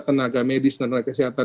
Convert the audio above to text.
tenaga medis dan tenaga kesehatan